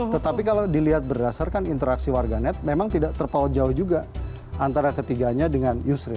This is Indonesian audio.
tetapi kalau dilihat berdasarkan interaksi warganet memang tidak terpaut jauh juga antara ketiganya dengan yusril